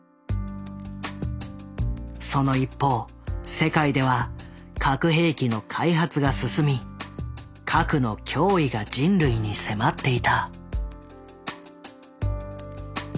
その一方世界では核兵器の開発が進み核の脅威が人類に迫っていた。